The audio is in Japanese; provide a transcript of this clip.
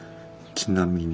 「ちなみに」